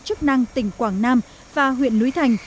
chức năng tỉnh quảng nam và huyện núi thành